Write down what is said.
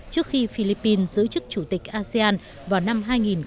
trước khi philippines giữ chức chủ tịch asean vào năm hai nghìn một mươi một